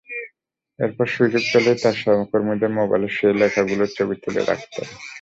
এরপর সুযোগ পেলেই তাঁর সহকর্মীদের মোবাইলে সেই লেখাগুলোর ছবি তুলে রাখতেন।